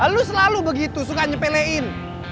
lo selalu begitu suka nyepelein